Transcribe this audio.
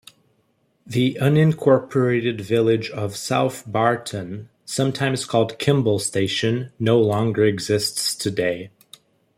The unincorporated village of South Barton, sometimes called Kimball Station no longer exists today.